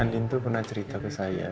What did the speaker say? andin tuh pernah cerita ke saya